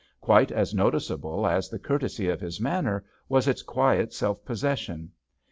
Quite as noticeable as the courtesy of his manner was its quiet self possession.